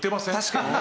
確かにね。